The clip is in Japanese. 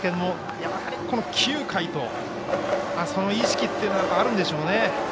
やっぱり、９回とその意識というのがあるんでしょうね。